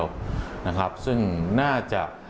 ก็จะมีการทำ